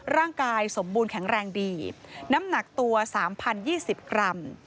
ร่างกายสมบูรณ์แข็งแรงดีน้ำหนักตัว๓๐๒๐กรัม